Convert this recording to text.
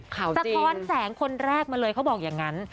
สะท้อนแสงคนแรกมาเลยเขาบอกอย่างนั้น